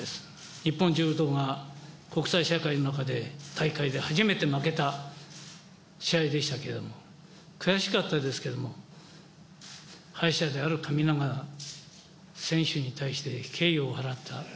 日本柔道が国際社会の中で、大会で初めて負けた試合でしたけども、悔しかったですけれども、敗者である神永選手に対して、敬意を払った。